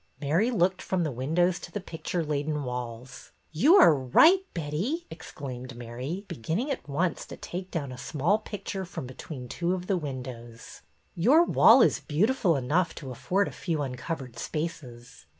Mary looked from the windows to the picture laden walls. You are right, Betty," exclaimed Mary, be ginning at once to take down a small picture from between two of the windows. '' Your wall is beautiful enough to afford a few uncovered spaces.